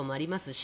し